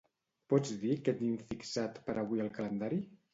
Pots dir què tinc fixat per avui al calendari?